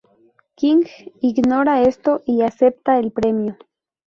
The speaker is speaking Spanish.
King ignora esto y acepta el premio.